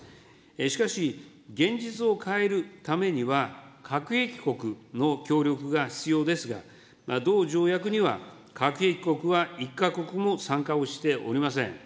しかし、現実を変えるためには、核兵器国の協力が必要ですが、同条約には、核兵器国は一か国も参加をしておりません。